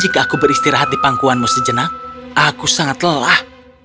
jika aku beristirahat di pangkuanmu sejenak aku sangat lelah